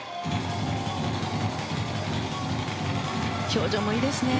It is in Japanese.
表情もいいですね。